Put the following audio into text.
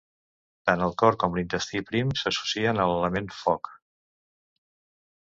Tant el cor com l'intestí prim s'associen a l'element Foc.